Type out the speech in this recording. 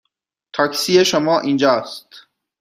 تاکسی شما اینجا است.